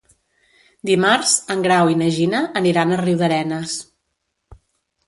Dimarts en Grau i na Gina aniran a Riudarenes.